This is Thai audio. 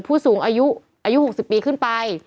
ผู้สูงอายุอายุ๖๐ปีขึ้นไป